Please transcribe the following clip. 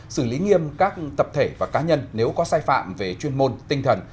xử lý nghiêm các tập thể và cá nhân nếu có sai phạm về chuyên môn tinh thần